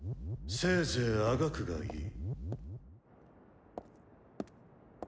せいぜいあがくがいい。